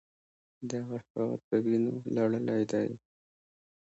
دغه ښار په وینو لړلی دی.